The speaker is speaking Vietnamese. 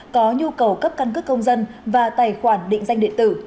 có nhu cầu cấp căn cước công dân và tài khoản định danh điện tử